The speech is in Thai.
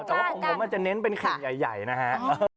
แต่ว่าของผมอาจจะเน้นเป็นกลุ่มใหญ่นะฮะ